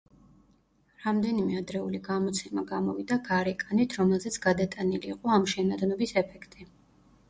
რამდენიმე ადრეული გამოცემა გამოვიდა გარეკანით, რომელზეც გადატანილი იყო ამ შენადნობის ეფექტი.